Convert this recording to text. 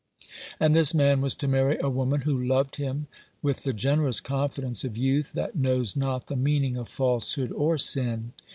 And this man was to marry a woman who loved him with the generous confidence of youth that knows not the meaning of falsehood or sin.